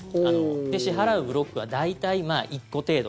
支払うブロックは大体１個程度。